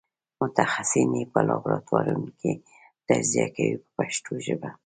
متخصصین یې په لابراتوارونو کې تجزیه کوي په پښتو ژبه.